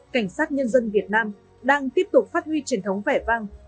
cảnh sát nhân dân việt nam đang tiếp tục phát huy truyền thống vẻ vang